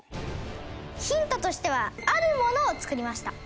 ヒントとしてはあるものを作りました。